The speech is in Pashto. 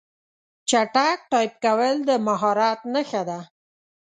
چټک ټایپ کول د مهارت نښه ده.